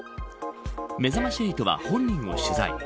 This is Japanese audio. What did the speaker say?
めざまし８は本人を取材。